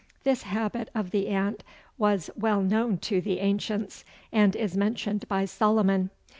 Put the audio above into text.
This habit of the ant was well known to the ancients, and is mentioned by Solomon.